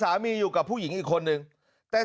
การนอนไม่จำเป็นต้องมีอะไรกัน